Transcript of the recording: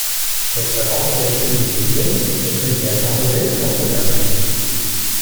Kurz darauf berichten die Medien, der Präsident habe Selbstmord begangen.